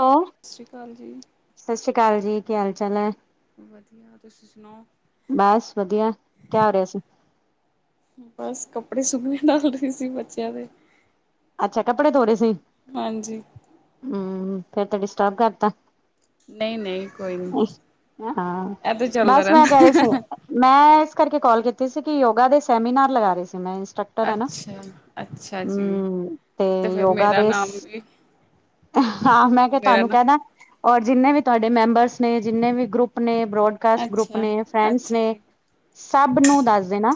ਹਾਂ। ਸਤਿ ਸ਼੍ਰੀ ਅਕਾਲ ਜੀ। ਸਤਿ ਸ੍ਰੀ ਅਕਾਲ ਜੀ। ਕੀ ਹਾਲ-ਚਾੱਲ ਐ? ਵਧੀਆ ਤੁਸੀਂ ਸੁਣਾਓ? ਬਸ ਵਧੀਆ ਕਹਿ ਰਹੇ ਸੀ। ਬਸ, ਕੱਪੜੇ ਸੁਕਨੇ ਡਾਲ ਰਹੀ ਸੀ ਬੱਚਿਆਂ ਦੇ। ਅੱਛਾ ਕੱਪੜੇ ਧੋ ਰਹੇ ਸੀ। ਹਾਂਜੀ। ਹਮ, ਫੇਰ ਤਾਂ ਡਿਸਟਰਬ ਕਰਤਾ। ਨਹੀਂ-ਨਹੀਂ ਕੋਈ ਨਹੀਂ। ਹਾਂ, ਇਹ ਤੇ ਚੱਲਦਾ ਬਸ ਮੈਂ ਘੱਰੇ ਸੀ। ਰਹਿੰਦਾ। ਮੈਂ ਇਸ ਕਰਕੇ ਕਾਲ ਕੀਤੀ ਸੀ ਕਿ ਯੋਗਾ ਦੇ ਸੈਮੀਨਾਰ ਲਗਾ ਰਹੀ ਸੀ, ਮੈਂ ਇੰਸਟਰਕ ਅੱਛਾ-ਅੱਛਾ ਜੀ। ਤੇ ਫਿਰ ਯੋਗਾ ਮੇਰਾ ਦੇ ਸ ਨਾਮ ਵੀ ਹਾਂ, ਮੈਂ ਕਿਹਾ ਮੇਰਾ ਤੁਹਾਨੂੰ ਨਾ ਕਹਿਦਾ। ਔਰ ਜਿੰਨੇ ਵੀ ਤੁਹਾਡੇ ਮੈਂਬਰਸ ਨੇ ਜਿੰਨੇ ਵੀ ਗਰੁੱਪ ਨੇ ਬਰੋਡ ਕਾਸਟ ਗਰੁੱਪ ਨੇ ਫਰੈਂਡਸ ਅੱਛਾ-ਅੱਛਾ ਨੇ ਜੀ। ਸਭ ਨੂੰ ਦੱਸ ਦੇ ਨਾ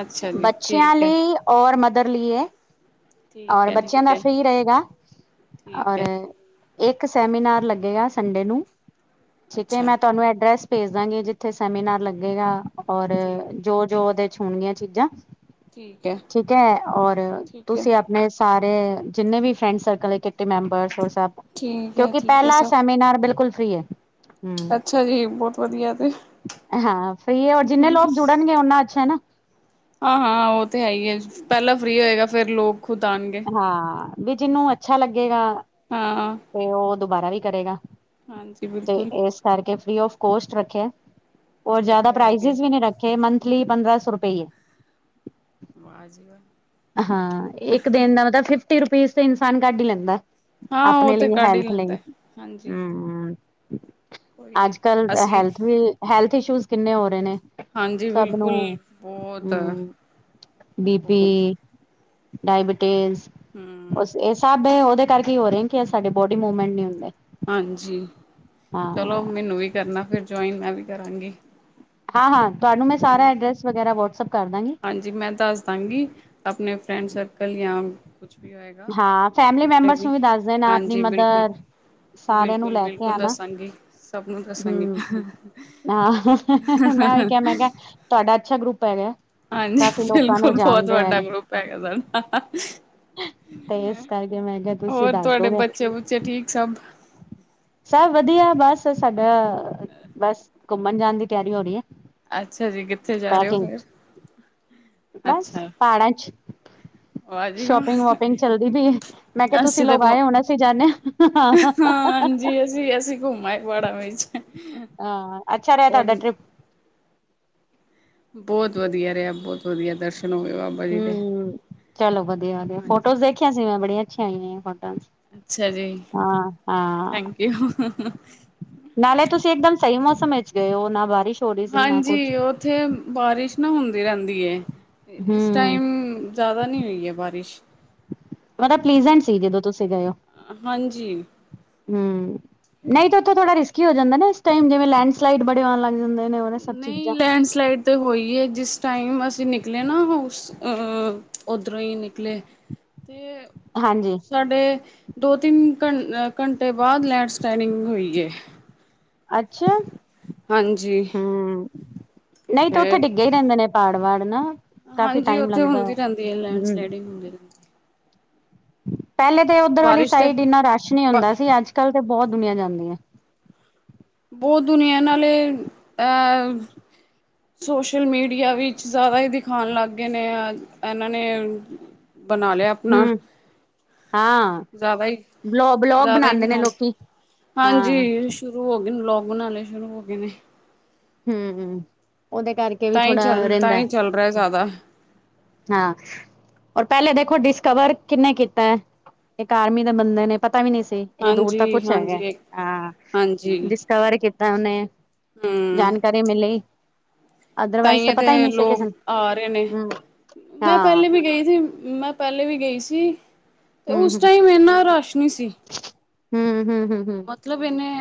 ਅੱਛਾ ਜੀ ਬੱਚਿਆਂ ਠੀਕ ਹੈ। ਲਈ ਔਰ ਮਦਰ ਲਈ ਐ। ਠੀਕ ਔਰ ਹੈ, ਬੱਚਿਆਂ ਠੀਕ ਦਾ ਹੈ, ਫ੍ਰਰੀ ਰਹੇਗਾ ਠੀਕ ਔਰ ਹੈ। ਇੱਕ ਸੈਮੀਨਾਰ ਲੱਗੇਗਾ ਸੰਡੇ ਨੂੰ ਠੀਕ ਹੈ ਅੱਛਾ। ਮੈਂ ਤੁਹਾਨੂੰ ਐਡਰੈਸ ਭੇਜ ਦਾਂਗੇ ਜਿੱਥੇ ਸੈਮੀਨਾਰ ਲੱਗੇਗਾ, ਔਰ ਠੀਕ, ਜੋ-ਜੋ ਉਹਦੇ ਚ ਹੋਣਗੀਆਂ ਚੀਜ਼ਾਂ ਠੀਕ ਹੈ, ਠੀਕ ਹੈ! ਔਰ ਠੀਕ ਹੈ, ਤੁਸੀਂ ਆਪ ਮੈ ਸਾਰੇ ਜਿੰਨੇ ਵੀ ਫਰੈਂਡ ਸਰਕਲ ਏ ਕਿੱਟੀ ਮੈਂਬਰਸ ਹੋਰ ਸਭ ਠੀਕ ਹੈ, ਕਿਉਂਕਿ ਠੀਕ ਹੈ ਪਹਿਲਾ ਸਭ ਸੈਮੀਨਾਰ ਬਿਲਕੁਲ ਫ੍ਰੀ ਐ। ਅੱਛਾ ਜੀ, ਬਹੁਤ ਵਧ ਧੀਆ ਤੇ ਹਾਂ ਸਹੀ ਐ, ਔਰ ਜਿੰਨੇ ਲੋਕ ਜੁੜਨਗੇ ਉਨਾ ਅੱਛਾ ਹੈ ਨਾ। ਹਾਂ-ਹਾਂ ਉਹ ਤੇ ਹੈ ਹੀ ਐ, ਪਹਿਲਾਂ ਫ੍ਰੀ ਹੋਏਗਾ, ਫੇਰ ਲੋਕ ਖੁਦ ਆਣਗੇ। ਹਾਂ, ਵੀ ਜਿਹਨੂੰ ਅੱਛਾ ਲੱਗੇਗਾ ਹਾਂ। ਤੇ ਉਹ ਦੁਬਾਰਾ ਵੀ ਕਰੇਗਾ, ਹਾਂਜੀ ਤੇ ਬਿਲਕੁਲ ਏਸ ਕਰਕੇ ਫਰੀ ਆਫ ਕੋਸਟ ਰੱਖਿਆ, ਔਰ ਜਿਆਦਾ ਵਧੀਆ-ਵਧੀਆ ਪਰਾਇਜਇਜ਼ ਵੀ ਨੀ ਰੱਖ ਥੇ ਮੰਥਲੀ ਪੰਦਰਾਂ ਸੌ ਰੁਪਈਏ। ਵਾ ਜੀ ਵਾ ਹਾਂ, ਇੱਕ ਦਿਨ ਦਾ ਮਤਲਬ ਫਿਫਟੀ ਰੁਪੀਜ਼ ਤੇ ਇਨਸਾਨ ਕੱਢ ਹੀ ਲੈਂਦਾ। ਹਾਂ ਉਹ ਆਪਣੇ ਤੇ ਲਈ ਕੱਢ ਹੀ ਹੈਲਥ ਲਈ, ਲੈਂਦਾ ਹਾਂਜੀ ਹੂੰ। ਕੋਈ ਨੀ ਅੱਜ-ਕੱਲ ਅਸੀਂ ਹੈਲਥ ਵੀ, ਹੈਲਥ ਇਸ਼ੂਜ ਕਿੰਨੇ ਹੋ ਰਹੇ ਨੇ। ਹਾਂਜੀ ਸਭ ਨੂੰ, ਬਿਲਕੁਲ ਹੂੰ, ਬਹੁਤ-ਬਹੁਤ ਬੀਪੀ ਡਾਇਬਿਟੀਜ਼ ਹੂੰ। ਇਸ ਸਬ ਦੇ ਉਹਦੇ ਕਰਕੇ ਹੋ ਰਹੇ, ਕਿ ਸਾਡੇ ਬੋਡੀ ਮੂਵਮੈਂਟ ਨੀ ਹੁੰਦੇ। ਹਾਂਜੀ, ਚਲੋ ਹਾਂ। ਮੈਨੂੰ ਵੀ ਕਰਨਾ ਫਿਰ ਜੁਆਇਨ, ਮੈਂ ਵੀ ਕਰਾਂਗੀ। ਹਾਂ-ਹਾਂ, ਤੁਹਾਨੂੰ ਮੈਂ ਸਾਰਾ ਹਾਂਜੀ ਐਡਰੈਸ ਵਗੈਰਾ ਵਟਸਐਪ ਕਰਦਾਂਗੀ। ਹਾਂਜੀ ਮੈਂ ਦੱਸਦਾਂਗੀ, ਆਪਣੇ ਫਰੈਂਡ ਸਰਕਲ ਜਾਂ ਕੁਛ ਵੀ ਹੋਏਗਾ ਹਾਂ, ਫੈਮਿਲੀ ਮੈਂਬਰਸ ਨੂੰ ਵੀ ਦੱਸ ਦੇਨਾ, ਆਪਣੀ ਹਾਂਜੀ ਬਿਲਕੁਲ ਮਦਰ ਸਾਰਿਆਂ ਨੂੰ ਲੈ ਕੇ ਬਿਲਕੁਲ-ਬਿਲਕੁਲ ਆਣਾ, ਦੱਸਾਂਗੀ ਸਭ ਨੂੰ ਦੱਸਾਂਗੀ ਹੂੰ, ਹਾਂ। ਮੈਂ ਉਹੀ ਕਿਹਾ, ਮੈਂ ਕਿਹਾ ਤੁਹਾਡਾ ਅੱਛਾ ਗਰੁੱਪ ਹੈਗਾ। ਕਾਫੀ ਹਾਂਜੀ ਲੋਕਾਂ ਨੂੰ ਬਿਲਕੁਲ, ਬਹੁਤ ਜਾਣਦੇ ਹੋਏ ਵੱਡਾ ਗਰੁੱਪ ਹੈਗਾ ਸਾਡਾ। ਤੇ ਇਸ ਕਰਕੇ ਮੈਂ ਕਿਹਾ, ਤੁਸੀਂ ਹੋਰ ਦੱਸ ਤੁਹਾਡੇ ਦੋਗੇ। ਬੱਚੇ ਬੁੱਚੇ ਠੀਕ ਸਭ ਸਭ ਵਧੀਆ, ਬਸ ਸਾਡਾ ਬਸ ਘੁੰਮਣ ਜਾਣ ਦੀ ਤਿਆਰੀ ਹੋ ਰਹੀ ਐ। ਅੱਛਾ ਜੀ, ਕਿੱਥੇ ਜਾ ਰਹੇ ਹੋ ਫੇਰ। ਬਸ ਪਹਾੜਾਂ ਚ, ਵਾਹ ਜੀ ਵਾਹ ਸ਼ੋਪਿੰਗ-ਵੋਪਿੰਗ ਚਲਦੀ ਪਈ ਏ। ਮੈਂ ਕਿਹਾ ਤੁਸੀਂ ਅਸੀਂ ਤਾਂ ਲੋਕ ਘੁ ਆਏ ਹੋਣੇ, ਅਸੀਂ ਜਾਂਨੇ ਆਂ। ਤੁਸੀਂ, ਅਸੀਂ ਘੁੰਮ ਆਏ ਪਹਾੜਾਂ ਵਿੱਚ। ਹਾਂ, ਅੱਛਾ ਰਿਹਾ ਤੁਹਾਡਾ ਬਹੁਤ ਟਰਿੱਪ। ਬਹੁਤ ਵਧੀਆ ਰਿਹਾ, ਬਹੁਤ ਵਧੀਆ ਦਰਸ਼ਨ ਹੋਗੇ ਬਾ ਹੂੰ, ਚਲੋ ਵਧੀਆ-ਵਧੀਆ, ਹਾਂਜੀ ਫੋਟੋਜ਼ ਦੇਖੀਆਂ ਸੀ ਮੈਂ ਬੜੀਆਂ ਅੱਛੀਆਂ ਆਈਆਂ ਹੋਈਆਂ ਫੋਟੋਜ਼। ਅੱਛਾ ਜੀ, ਹਾਂ ਹਾਂ ਥੈਂਕ ਯੂ। ਨਾਲੇ ਤੁਸੀਂ ਇਕਦਮ ਸਹੀ ਮੌਸਮ ਵਿੱਚ ਗਏ ਹੋ, ਨਾ ਬਾਰਿਸ਼ ਹੋ ਰਹੀ ਸੀ ਨਾ ਕੁਛ ਹਾਂਜੀ, ਉੱਥੇ ਬਾਰਿਸ਼ ਨਾ ਹੁੰਦੀ ਰਹਿੰਦੀ ਏ, ਇਸ ਹਮ ਟਾਈਮ ਜ਼ਾਦਾ ਨਹੀਂ ਹੋਈ ਏ ਬਾਰਿਸ਼। ਮਤਲਬ ਪਲੀਜੈਂਟ ਸੀ, ਜਦੋਂ ਤੁਸੀਂ ਗਏ ਹੋ। ਹਾਂਜੀ। ਹੂੰ ਨਹੀਂ ਤੇ ਉੱਥੇ ਥੋੜਾ ਰਿਸਕੀ ਹੋ ਜਾਂਦਾ ਨਾ ਇਸ ਟਾਈਮ, ਜਿਵੇਂ ਲੈਂਡ ਸਲਾਈਡ ਬੜੇ ਹੋਣ ਲੱਗ ਜਾਂਦੇ ਨੇ। ਉਹ ਸਭ ਨਈ ਚੀਜ਼ਾਂ। ਲੈਂਡ ਸਲਾਈਡ ਤੇ ਹੋਈਏ ਜਿਸ ਟਾਈਮ ਅਸੀਂ ਨਿਕਲੇ ਨਾ, ਓਹ ਉਸ ਉੱਧਰੋਂ ਹੀ ਨਿਕਲੇ। ਤੇ ਹਾਂਜੀ। ਸਾਡੇ ਦੋ, ਤਿੰਨ ਘ ਘੰਟੇ ਬਾਅਦ ਲੈਂਡ ਸਲਾਈਡਿੰਗ ਹੋਈ ਏ। ਅੱਛਾ, ਹਾਂਜੀ ਹੂੰ ਨਈ ਤੇ ਉੱਥੇ ਫੇਰ ਡਿੱਗੇ ਹੀ ਰਹਿੰਦੇ ਨੇ ਪਹਾੜ ਵਾੜ ਨਾ ਕਾਫੀ ਹਾਂਜੀ, ਟਾਈਮ ਉੱਥੇ ਲੱਗਦਾ ਹੁੰਦੀ ਰਹਿੰਦੀ ਐ ਹੂੰ, ਲੈਂਡਸਲਾਈਡਿੰਗ ਹੁੰਦੀ ਰਹਿੰਦੀ। ਪਹਿਲੇ ਤੇ ਉੱਧਰ ਵਾਲੀ ਬਾਰਿਸ਼ ਤੇ ਸਾਈਡ ਇੰਨਾ ਰਸ਼ ਨਹੀਂ ਬ ਹੁੰਦਾ ਸੀ, ਅੱਜ-ਕੱਲ ਤੇ ਬਹੁਤ ਦੁਨੀਆਂ ਜਾਂਦੀ ਏ। ਬਹੁ ਦੁਨੀਆਂ ਨਾਲੇ ਅਹ ਸੋਸ਼ਲ ਮੀਡੀਆ ਵਿੱਚ ਜ਼ਾਦਾ ਹੀ ਦਿਖਾਣ ਲੱਗ ਗਏ ਨੇ, ਅੱਜ ਇਹਨਾਂ ਨੇ ਬਣਾ ਲਿਆ ਆਪਣਾ। ਹੂੰ, ਹਾਂ ਜ਼ਿਆਦਾ ਹੀ, ਬਲੋ ਬਲੋਗ ਜ਼ਿਆਦਾ ਹੀ ਬਣਾਦੇ ਵੀ [unintelligible] ਨੇ ਨਾਲ ਲੋਕੀ ਹਾਂ ਹਾਂਜੀ। ਸ਼ੁਰੂ ਹੋ ਗਏ ਨੇ ਵਲੋਗ ਬਣਾਉਣੇ ਸ਼ੁਰੂ ਹੋ ਗਏ ਨੇ। ਹੁੰ, ਹੁੰ ਉਹਦੇ ਕਰ ਤਾਂ ਹੀ ਚਲ, ਤਾਂ ਹੀ ਚੱਲ ਰਿਹਾ ਜਿਆਦਾ। ਹਾਂ। ਔਰ, ਪਹਿਲੇ ਦੇਖੋ ਡਿਸਕਵਰ ਕਿੰਨੇ ਕੀਤਾ ਹੈ? ਇੱਕ ਆਰਮੀ ਦੇ ਬੰਦੇ ਨੇ ਪਤਾ ਵੀ ਨਹੀਂ ਸੀ। ਇੰਨੀ ਦੂਰ ਤਾਂ ਹਾਂਜੀ ਕੁਛ ਹੈਗਾ। ਹਾਂਜੀ ਹਾਂ, ਹਾਂਜੀ ਡਿਸਕਵਰ ਕੀਤਾ ਉਹਨੇ। ਹੂੰ ਜਾਣਕਾਰੀ ਮਿਲੀ ਤਾਂ, ਅਦਰਵਾਈਜ਼ ਹੀ ਪਤਾ ਇਥੇ ਨਹੀਂ ਸੀ ਲੋਕ ਕਿਸੇ ਨੂੰ ਆ ਰਹੇ ਨੇ ਹੂੰ ਮੈਂ ਹਾਂ ਪਹਿਲੇ ਵੀ ਗਈ ਸੀ। ਮੈਂ, ਪਹਿਲੇ ਵੀ ਗਈ ਸੀ ਤੇ ਉਸ ਟਾਈਮ ਇਹਨਾ ਰਸ਼ ਨਹੀਂ ਸੀ। ਹੁੰ, ਹੁੰ ਹੁੰ, ਹੁੰ। ਮਤਲਬ ਇੰਨੇ,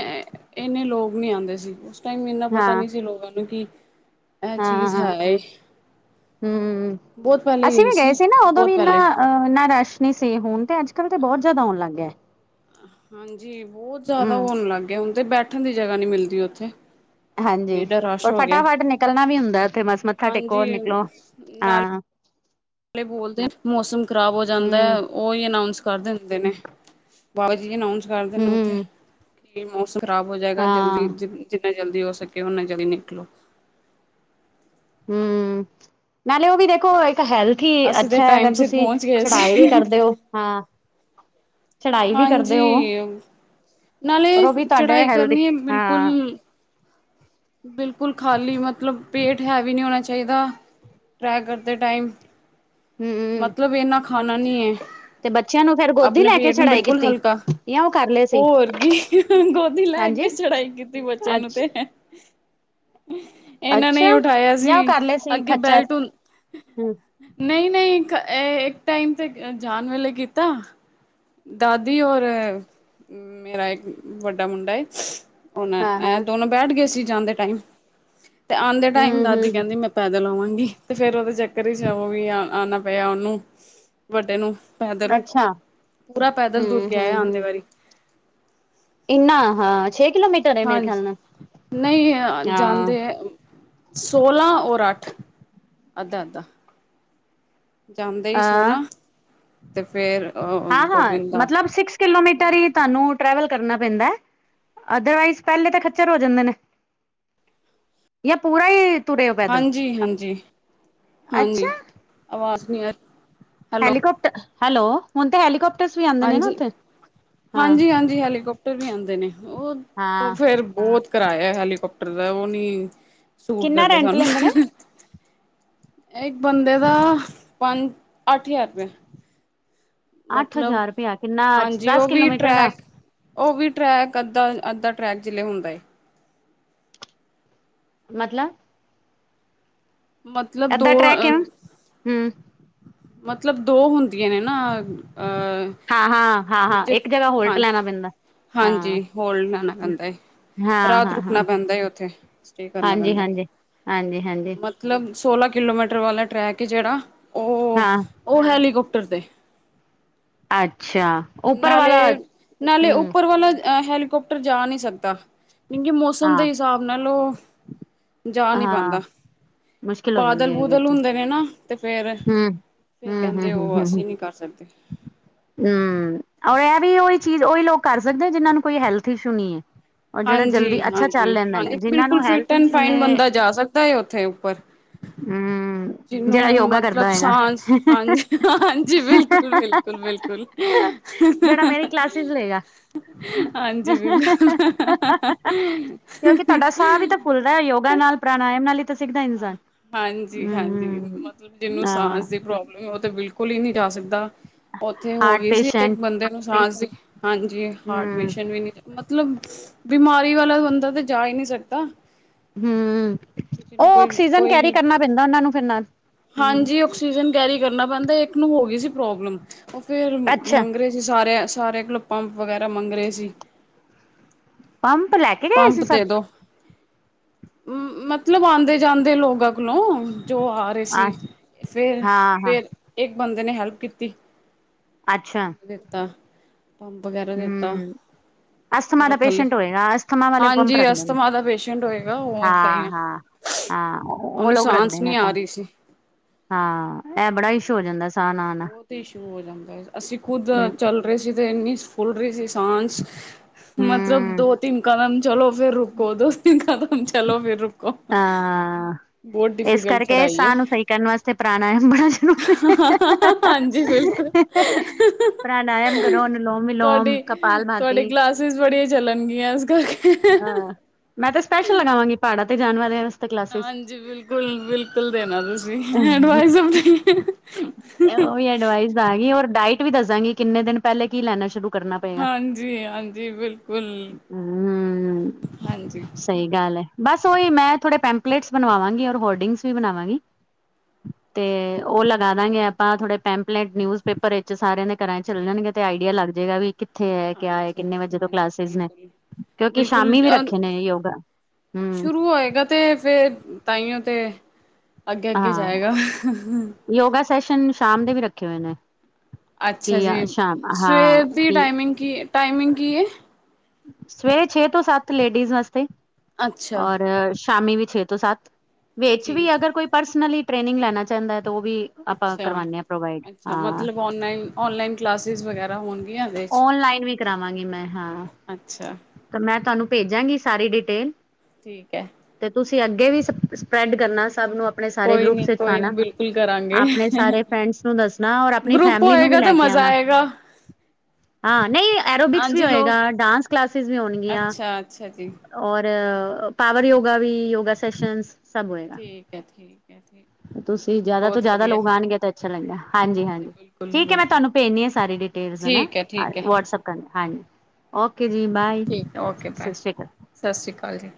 ਇੰਨੇ ਲੋਕ ਨਹੀਂ ਆਉਂਦੇ ਸੀ ਉਸ ਟਾਈਮ ਇੰਨਾ ਪਤਾ ਹਾਂ ਨਹੀਂ ਸੀ ਲੋਕਾਂ ਨੂੰ ਕਿ ਐ ਚੀਜ਼ ਹੈ ਏ। ਹੁੰਹ ਬਹੁਤ ਪਹਿਲੇ ਅਸੀਂ ਗਈ ਵੀ ਗਏ ਸੀ ਨਾ ਉਦੋਂ ਬਹੁਤ ਵੀ ਇਨਾ ਪਹਿਲੇ ਅ ਨਾ ਰਸ਼। ਨਈ, ਸੇ ਹੋਣ ਤੇ ਅੱਜ-ਕੱਲ੍ਹ ਤਾਂ ਬਹੁਤ ਜ਼ਿਆਦਾ ਆਉਣ ਲੱਗ ਗਿਆ‌ ਐ। ਹਾਂਜੀ, ਬੋਤ ਜ਼ਿਆਦਾ ਹੂੰ ਹੋਣ ਲੱਗ ਗਿਆ ਹੁਣ ਤੇ ਬੈਠਣ ਦੀ ਜਗ੍ਹਾ ਨੀ ਮਿਲਦੀ ਉੱਥੇ। ਹਾਂਜੀ, ਏਡਾ ਰਸ਼ ਔਰ ਹੋ ਗਿਆ ਫਟਾਫਟ ਨਿਕਲਣਾ ਵੀ ਹੁੰਦਾ ਉੱਥੇ ਮਸ ਮੱਥਾ ਟੇਕੋ ਔਰ ਹਾਂਜੀ ਨਿਕਲੋ ਨਾਲੇ ਹਾਂ। [inaudible] [inaudible] ਬੋਲਦੇ, ਮੌਸਮ ਖ਼ਰਾਬ ਹੋ ਜਾਂਦਾ ਐ ਹੂੰ ਉਹੀ ਅਨਾਊਂਸ ਕਰ ਦਿੰਦੇ ਨੇ। ਬਾਬਾ ਜੀ ਅਨਾਊਂਸ ਕਰਦੇ ਨੇ ਉੱਥੇ ਹੂੰ ਕਿ ਮੌਸਮ ਖਰਾਬ ਹੋ ਜਾਏਗਾ? ਜਲਦੀ ਹਾਂ ਜ ਜਿੰਨਾ ਜਲਦੀ ਹੋ ਸਕੇ ਓਨਾ ਜਲਦੀ ਨਿਕਲੋ। ਹੁੰ, ਨਾਲੇ ਉਹ ਵੀ ਦੇਖੋ ਇੱਕ ਹੈਲਥ ਕੀ ਅਸੀਂ ਤਾਂ ਅੱਛਾ ਅਗਰ ਟਾਈਮ ਸਿਰ ਤੁਸੀਂ ਪਹੁੰਚ ਗਏ ਚੜਾਈ ਵੀ ਸੀ ਕਰਦੇ ਹੋ? ਹਾਂ ਚੜਾਈ ਵੀ ਕਰਦੇ ਹੋ ਹਾਂਜੀ, ਪਰ ਨਾਲੇ ਉਹ ਵੀ ਤੁਹਾਡੇ ਚੜਾਈ ਹੈਲਦੀ ਕਰਨੀ ਹੈ ਬਿਲਕੁਲ। ਹਾਂ ਬਿਲਕੁਲ, ਖਾਲੀ ਮਤਲਬ ਪੇਟ ਹੈਵੀ ਨੀ ਹੋਣਾ ਚਾਈਦਾ। ਟਰੇ ਕਰਦੇ ਟਾਈਮ, ਹਮ ਮਤਲਬ ਇਨਾ ਖਾਣਾ ਨੀ ਹੈ। ਤੇ ਬੱਚਿਆਂ ਨੂੰ ਫੇਰ ਗੋਦੀ ਆਪਣੇ ਲੈ ਕੇ ਪੇਟ ਨੂੰ ਚੜਾਈ ਬਿਲਕੁਲ ਕੀਤੀ ਹਲਕਾ, ਜਾਂ ਉਹ ਕਰ ਲਏ ਸੀ ਹੋਰ ਗੀ ਗੋਦੀ ਲੈ ਹਾਂਜੀ ਕੇ ਚੜਾਈ ਕੀਤੀ ਬੱਚਿਆਂ ਅੱ ਨੂੰ ਤੇ। ਇਹਨਾਂ ਨੇ ਈ ਅੱਛਾ ਉਠਾਇਆ ਜਾਂ ਉਹ ਸੀ ਕਰ ਲਏ ਸੀ ਅੱਗੇ ਖੱਚਰ ਬੈਲਟ ਹਮ ਨਹੀਂ, ਨਹੀਂ ਇੱਕ ਟਾਈਮ ਤੇ ਜਾਣ ਵੇਲੇ ਕੀਤਾ। ਦਾਦੀ ਔਰ ਮੇਰਾ ਇੱਕ ਵੱਡਾ ਮੁੰਡਾ ਏ। ਹੁਣ, ਹਾਂ ਐ ਹਾਂ ਦੋਨੋਂ ਬੈਠ ਗਏ ਸੀ ਜਾਂਦੇ ਟਾਇਮ ਤੇ ਆਂਦੇ ਟਾਇਮ ਹਮ ਦਾਦੀ ਕਹਿੰਦੀ ਹਮ ਮੈਂ ਪੈਦਲ ਆਵਾਂਗੀ ਤੇ ਫੇਰ ਉਹਦੇ ਚੱਕਰ ਇਚ ਵੀ ਆ ਆਣਾ ਪਿਆ ਉਹਨੂੰ ਵੱਡੇ ਨੂੰ। ਪੈਦਲ ਅੱਛਾ। ਪੂਰਾ ਪੈਦਲ ਤੁਰ ਹਮ ਕੇ ਆਇਆ ਹਮ ਆਂਦੇ ਹਮ ਵਾਰੀ। ਇੰਨਾ ਹਾਂ, ਛੇ ਕਿਲੋਮੀਟ ਹਾਂਜੀ, ਨਹੀਂ ਹਾਂ ਜਾਂਦੇ ਸੋਲ੍ਹਾਂ ਔਰ ਅੱਠ ਅੱਧਾ, ਅੱਧਾ। ਜਾਂਦੇ ਈ ਹਾਂ ਸੋਂਲਾ ਤੇ ਫੇਰ ਅਹ ਹਾਂ [unintelligible] ਹਾਂ ਗੋਵਿਦਾ ਮਤਲਬ ਸਿਕਸ ਕਿਲੋਮੀਟਰ ਈ ਤੁਹਾਨੂੰ ਟਰੈਵਲ ਕਰਨਾ ਪੈਂਦਾ ਐ? ਅਦਰਵਾਈਜ਼, ਪਹਿਲੇ ਤੇ ਖੱਚਰ ਹੋ ਜਾਂਦੇ ਨੇ ਜਾਂ ਪੂਰਾ ਈ। ਹਾਂਜੀ, ਹਾਂਜੀ, ਅੱਛਾ ਹਾਂਜੀ ਆਵਾਜ਼ ਨੀ ਆ ਰੀ। ਹੈਲੀਕੋਪਟਰ, ਹੈਲੋ ਹੁਣ ਤੇ ਹੈਲੀਕੋਪਟਰਸ ਵੀ ਆਉਂਦੇ ਨੇ ਨਾ ਉੱਥੇ ਹਾਂ? ਨੀ ਹੈਲੀਕੋਪਟਰ ਵੀ ਆਉਂਦੇ ਨੇ ਉਹ ਹਾਂ ਫੇਰ ਬਹੁਤ ਕਰਾਇਆ ਹੈਲੀਕਾਪਟਰ ਦਾ, ਉਹ ਨੀ ਸੂਟ ਕਿੰਨਾ ਕਰਦੇ ਰੈਂਟ ਸਾਨੂੰ। ਲੈਂਦੇ ਨੇ ਇੱਕ ਬੰਦੇ, ਦਾ ਪੰਜ ਅੱਠ ਹਜ਼ਾਰ ਰੁਪਇਆ। ਅੱਠ ਮਤਲਬ, ਹਜ਼ਾਰ ਰੁਪਇਆ ਕਿੰਨਾ ਹਾਂਜੀ ਦਸ ਉਹ ਵੀ ਕਿਲੋਮੀਟਰ ਦਾ ਟਰੈਕ ਉਹ ਵੀ ਟਰੈਕ ਅੱਧਾ, ਅੱਧਾ ਟਰੈਕ ਜਿਹੇ ਹੁੰਦਾ ਏ। ਮਤਲ ਮਤਲਬ ਦੋ ਏਦਾਂ ਟਰੈਕ ਅ ਹੈ ਹਮ ਮਤਲਬ ਦੋ ਹੁੰਦੀਆਂ ਨੇ ਨਾ ਅਹ ਹਾਂ ਹਾਂ ਹਾਂ ਹਾਂ ਇੱਕ ਜਗ੍ਹਾ ਹੋਲਟ ਲੈਣਾ ਪੈਂਦਾ। ਹਾਂ ਹਾਂਜੀ ਹੋਰ ਲਿਆਣਾ ਪੈਂਦਾ ਏ। ਹਾਂ ਰਾਤ ਹਾਂ ਰੁਕਣਾ ਹਾਂ ਪੈਂਦਾ ਉੱਥੇ ਸਟੇ ਕਰਨਾ ਪੈਂਦਾ ਫਿਰ ਹਾਂਜੀ-ਹਾਂਜੀ। ਮਤਲਬ ਸੋਲਾਂ ਕਿਲੋਮੀਟਰ ਵਾਲਾ ਟਰੈਕ ਏ ਜਿਹੜਾ ਉਹ, ਹਾਂ ਉਹ ਹੈਲੀਕਾਪਟਰ 'ਤੇ ਅੱਛਾ ਉੱਪਰ ਵਾਲਾ ਨਾਲੇ, ਨਾਲੇ ਹਮ ਉੱਪਰ ਵਾਲਾ ਹੈਲੀਕੋਪਟਰ ਜਾ ਨੀ ਸਕਦਾ। ਕਿਉਂਕਿ ਮੌਸਮ ਹਾਂ ਦੇ ਹਿਸਾਬ ਨਾਲ ਉਹ ਜਾ ਨੀ ਹਾਂ ਪਾਂਦਾ। ਮੁਸ਼ਕਿਲ ਹੋ ਬਾਦਲ, ਜਾਂਦੀ ਹੈਗੀ ਬੁਦਲ ਉੱਥੇ ਹੁੰਦੇ ਨੇ ਨਾ। ਤੇ ਫੇਰ, ਹਮ ਫੇਰ ਹਮ ਹਮ ਕਹਿੰਦੇ ਹਮ ਉਹ ਹਮ ਹਮ ਅਸੀਂ ਨੀ ਕਰ ਸਕਦੇ। ਹਮ ਔਰ ਇਹ ਵੀ ਉਹੀ ਚੀਜ਼ ਉਹੀ ਲੋਕ ਕਰ ਸਕਦੇ ਆ ਜਿਹਨਾਂ ਨੂੰ ਕੋਈ ਹੈਲਥ ਇਸ਼ੂ ਨਹੀਂ ਹੈ। ਔਰ ਜਿਹੜਾ ਹਾਂਜੀ ਜਲਦੀ ਅੱਛਾ ਚੱਲ ਹਾਂਜੀ ਲੈਂਦੇ ਨੇ ਹਾਂਜੀ ਜਿਹਨਾਂ ਬਿਲਕੁਲ ਨੂੰ ਹੈਲਥ ਫਿਟ ਐਂਡ ਇਸ਼ੂ ਨੇ ਫਾਈਨ ਬੰਦਾ ਜਾ ਸਕਦਾ ਹੈ ਉੱਥੇ ਉੱਪਰ ਹਮ ਜਿਹਨੂੰ ਜਿਹੜਾ ਯੋਗਾ ਮਤਲਬ ਕਰਦਾ ਹੋਏਗਾ ਸਾਂਸ ਹਾਂਜੀ ਹਾਂ ਜੀ ਬਿਲਕੁੱਲ। ਬਿਲਕੁਲ ਬਿਲਕੁਲ। ਜਿਹੜਾ ਮੇਰੀ ਕਲਾਸਿਸ ਲਏਗਾ ਹਾਂਜੀ ਬਿਲਕੁਲ ਕਿਉਂਕਿ ਤੁਹਾਡਾ ਸਾਹ ਵੀ ਤਾਂ ਫੁੱਲ ਨੈ ਯੋਗਾ ਨਾਲ ਪ੍ਰਣਾਯਮ ਨਾਲ ਈ ਤ ਹਾਂਜੀ-ਹਾਂਜੀ ਮਤਲਬ ਜਿਹਨੂੰ ਹਾਂ ਸਾਸ ਦੀ ਪ੍ਰੋਬ ਉਹ ਤੇ ਬਿਲਕੁੱਲ ਈ ਨੀ ਜਾ ਸਕਦਾ ਉੱਥੇ ਹੋ ਹਾਰਟ ਗਈ ਸੀ ਇੱਕ ਪੇਸ਼ੈਂਟ ਬੰਦੇ ਨੂੰ ਸਾਂਸ ਦੀ ਹਾਂਜੀ ਹਾਰਟ ਹਮ ਪੇਸ਼ੈਂਟ ਵੀ ਨੀ ਜ ਮਤਲਬ ਬਿਮਾਰੀ ਵਾਲਾ ਬੰਦਾ ਤਾਂ ਜਾ ਏ ਨੀ ਸਕਦਾ। ਹਮ ਉਹ ਜਿਹਨੂੰ ਕੋਈ, ਆਕਸੀਜਨ ਕੋਈ ਕੈਰੀ ਵੀ ਕਰਨਾ ਪੈਂਦਾ ਉਹਨਾਂ ਨੂੰ ਫਿਰ ਨਾਲ ਹਮ ਹਾਂਜੀ ਆਕਸੀਜਨ ਕੈਰੀ ਕਰਨਾ ਪੈਂਦਾ ਇੱਕ ਨੂੰ ਹੋਗੀ ਸੀ ਪ੍ਰੋਬਲਮ ਉਹ ਫਿਰ ਅੱਛਾ ਮੰਗਰੇ ਅਸੀਂ ਸਾਰੇ ਆਂ ਸਾਰਿਆਂ ਕੋਲੋ ਪੰਪ ਵਗੈਰਾ ਮੰਗ ਰਹੇ ਸੀ। ਪੰਪ ਲੈ ਕੇ ਗਏ ਸੀ ਪੰਪ ਸਭ ਦੇ ਦੋ। ਮਤਲਬ ਆਂਦੇ ਜਾਂਦੇ ਲੋਕਾਂ ਕੋਲੋਂ ਜੋ ਆ ਰੇ ਸੀ ਅੱਛ ਫੇਰ, ਹਾਂ ਹਾਂ ਫੇਰ ਇੱਕ ਬੰਦੇ ਨੇ ਹੈਲਪ ਕੀਤੀ, ਅੱਛਾ ਦਿੱਤਾ। ਪੰਪ ਵਗੈਰਾ ਦਿੱਤਾ ਹਮ ਅਸਥਮਾ ਫੇਿਰ ਦਾ ਉਹ ਥੱਲੇ ਪੇਸ਼ੈਂਟ ਹੋਏਗਾ ਅਸਥਮਾ ਵਾਲੇ ਪੰਪ ਹਾਂਜੀ। ਰੱਖਦੇ ਨੇ ਅਸਥਮਾ ਦਾ ਪੇਸ਼ੈਂਟ ਹੋਏਗਾ ਉਹ ਤਾਂ ਹੀ ਹਾਂ ਆ। ਹਾਂ ਹਾਂ ਉਹ ਉਹਨੂੰ ਲੋਕ ਸਾਂਸ ਰੱਖਦੇ ਨੀ ਨੇ ਆ ਪੰਪ ਰੀ ਸੀ। ਹਾਂ ਇਹ ਬੜਾ ਇਸ਼ ਹੋ ਜਾਂਦਾ ਸੀ। ਬਹੁਤ ਹੀ ਇਸ਼ੂ ਹੋ ਜਾਂਦਾ ਅਸੀਂ ਖੁੱਦ ਚੱਲ। ਫ ਰ ਸੀ ਤੇ ਇੰਨੀ ਫੁੱਲ ਰਹੀ ਸੀ ਸਾਂਸ, ਮਤਲਬ ਹਮ ਦੋ ਤਿੰਨ ਕਦਮ। ਚਲੋ ਫੇਰ ਰੁਕੋ ਦੋ ਤਿੰਨ ਕਦਮ ਚਲੋ ਫਿਰ ਰੁਕੋ। ਹਾਂ ਬਹੁਤ ਇਸ ਡਿਫੀਕਲਟ ਕਰਕੇ ਚੜਾਈ ਹੈ ਸਾਹ ਨੂੰ ਸਹੀ ਕਰਨ ਵਾਸਤੇ ਪ੍ਰਾਣਾਯਾਮ ਬੜਾ ਜ਼ਰੂਰੀ ਏ। ਹਾਂਜੀ ਬਿਲਕੁੱਲ। ਪ੍ਰਾਣਾਯਾਮ ਕਰੋ ਅਨੁਲੋਮ ਵਿਲੋਮ ਕਪਾਲ ਤੁਹਾਡੀ-ਤੁਹਾਡੀ ਭਾਤੀ ਗਲਾਸ। ਬੱਸਿਸ ਬੜੀਆਂ ਚੱਲਣਗੀਆਂ ਅੱਜ ਕਰੱਲ ਅਹ ਮੈਂ ਤੇ ਸਪੈਸ਼ਲ ਲਗਾਵਾਂਗੀ ਪਹਾੜਾਂ ਤੇ ਜਾਣ ਵਾਰੇ ਹਾਂਜੀ ਬਿਲਕੁਲ ਬਿਲਕੁਲ ਦੇਣਾ ਤੁਸੀਂ ਐਡਵਾਈਸ ਆਪਣੀ ਅਡਵਾਇਸ ਦਾਂਗੀ ਔਰ ਡਾਇਟ ਵੀ ਦੱਸ ਦਾਗੀ ਕਿੰਨੇ ਦਿਨ ਪਹਿਲੇ ਕੀ ਲੈਣਾ ਸ਼ੁਰੂ ਕਰਨਾ ਪਏਗਾ। ਹਾਂਜੀ ਹਾਂਜੀ ਬਿਲਕੁਲ ਹਮ ਹਾਂਜੀ ਸਹੀ ਗੱਲ ਹੈ ਬਸ ਉਹੀ ਮੈਂ ਥੋੜੇ ਪੈਂਪਲੇਟਸ ਬਣਾਵਾਵਾਂਗੀ ਔਰ ਹੋਰਡਿੰਗਸ ਵੀ ਬਣਾਵਾਂਗੀ। ਤੇ ਉਹ ਲਗਾ ਦਾਂਗੇ ਆਪਾਂ ਥੋੜੇ ਪੈਂਪਲੇਟ ਨਿਊਜ਼ ਪੇਪਰ ਵਿੱਚ ਸਾਰਿਆਂ ਦੇ ਘਰਾਂ ਚੱਲ ਠੀਕ ਜਾਣਗੇ ਤੇ ਆਈਡੀਆ ਲੱਗ ਜਾਏਗਾ ਵੀ ਕਿੱਥੇ ਹੈ ਕਿਆ ਹੈ ਕਿੰਨੇ ਵਜੇ ਤੋਂ ਹਾਂਜੀ-ਹਾਂਜੀ ਕਲਾਸਿਸ ਨੇ ਬਿਲਕੁਲ ਕਿਉਂਕਿ ਬਿਲਕੁਲ ਸ਼ਾਮੀ ਵੀ ਰੱਖੇ ਅ ਨੇ ਯੋਗਾ, ਹੂੰ। ਸ਼ੁਰੂ ਹੋਏਗਾ ਤੇ ਫੇਰ ਤਾਈਓ 'ਤੇ ਅੱਗੇ-ਅੱਗੇ ਹਾਂ, ਜਾਏਗਾ ਯੋਗਾ ਸੈਸ਼ਨ ਸ਼ਾਮ ਦੇ ਵੀ ਰੱਖੇ ਹੋਏ ਨੇ। ਅੱਛਾ ਕਿ ਜੀ, ਸ਼ਾਮ ਸਵੇਰ ਹਾਂ ਦੀ ਕਿ ਟਾਈਮਿੰਗ ਕੀ ਟਾਈਮਿੰਗ ਕੀ ਏ? ਸਵੇਰੇ ਛੇ ਤੋਂ ਸੱਤ ਲੇਡੀਜ਼ ਵਾਸਤੇ, ਅੱਛਾ ਔਰ ਸ਼ਾਮੀ ਵੀ ਛੇ ਤੋਂ ਤੋ ਸਤ ਵਿੱਚ ਵੀ ਠੀਕ ਅਗਰ ਕੋਈ ਪਰਸਨਲੀ ਟ੍ਰੇਨਿੰਗ ਲੈਣਾ ਚਾਹਦਾ ਐ ਤਾਂ ਉਹ ਵੀ ਆਪਾਂ ਅੱਛਾ। ਕਰਵਾਉਾਨਦੇ ਹਾਂ ਪ੍ਰੋਵਾਈਡ, ਹਾਂ ਔਨਲਾਈਨ ਕਲਾਸਿਜ਼ ਵਗੈਰਾ ਹੋਣ ਓਨਲਾਈਨ ਵੀ ਕਰਾਵਾਂਗੀ ਮੈਂ, ਹਾਂ ਅੱਛਾ! ਮੈਂ ਤੁਹਾਨੂੰ ਭੇਜਾਂਗੀ ਸਾਰੀ ਡਿਟੇਲ। ਠੀਕ ਹੈ। ਤੇ ਤੁਸੀਂ ਅੱਗੇ ਵੀ ਸ ਸਪ੍ਰੈਡ ਕਰਨਾ ਸਭ ਨੂੰ ਆਪਣੇ ਸਾਰੇ ਕੋਈ ਗਰੁੱਪ ਨੀ ਵਿੱਚ ਕੋਈ ਆਣਾ, ਨੀ ਬਿਲਕੁਲ ਕਰਾਂਗੇ। ਆਪਣੇ ਸਾਰੇ ਫਰੈਂਡਸ ਨੂੰ ਦੱਸਣਾ ਔਰ ਆਪਣੀ ਫੈਮਲੀ ਨੂੰ ਵੀ ਲੈ ਕੇ ਆਣਾ। ਰਾਹ [inaudible] ਹਾਂ ਨਈ, ਐਰੋਬਿਕਸ ਵੀ ਹਾਂਜੀ ਹੋਏਗਾ ਲੋਕ ਡਾਂਸ ਕਲਾਸਿਸ ਵੀ ਹੋਣਗੀਆਂ। ਅੱਛਾ-ਅੱਛਾ ਜੀ ਔਰ ਪਾਵਰ ਯੋਗਾ ਵੀ, ਯੋਗਾ ਸੈਸ਼ਨ ਸਭ ਹੋਏਗਾ। ਅਛਾ- ਅਛਾ [unintelligible] ਤੁਸੀਂ ਜ਼ਾਦਾ ਤੋਂ ਜ਼ਾਦਾ ਲੋਕ ਆਣਗੇ ਤੇ ਅੱਛਾ ਲੱਗਿਆ, ਹਾਂਜੀ ਹਾਂਜੀ। ਬਿਲਕੁਲ ਠੀਕ ਹੈ ਮੈਂ ਬਿਲਕੁਲ ਤੁੀਨੂੰ ਪੇਜਨੀ ਆ ਸਾਰੀ ਡਿਟੇਲ, ਠੀਕ ਹੈ ਠੀਕ ਹੈ ਵਟਸਐਪ ਕਰਨ ਹਾਂਜੀ। ਓਕੇ ਜੀ ਬਾਏ। ਠੀਕ ਹੈ, ਓਕੇ ਬਾਏ, ਸਤਿ ਸ਼੍ਰੀ ਅਕਾਲ ਸਸ ਰੀ ਕਾਲ ਜੀ।